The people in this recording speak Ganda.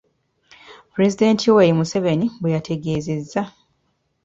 Pulezidenti Yoweri Museveni bwe yategeezezza.